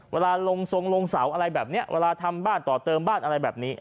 เวลาลงทรงลงเสาอะไรแบบนี้เวลาทำบ้านต่อเติมบ้านอะไรแบบนี้